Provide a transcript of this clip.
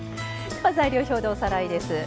材料表でおさらいです。